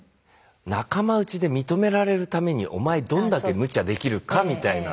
仲間内で認められるためにお前どんだけむちゃできるかみたいな。